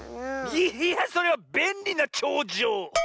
いやそれは「べんりなちょうじょう」！